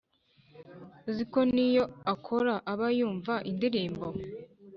uziko niyo akora aba yumva indirimbo